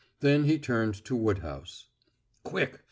Then he turned to Woodhouse. "Quick!